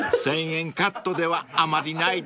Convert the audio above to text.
［１，０００円カットではあまりないですもんね］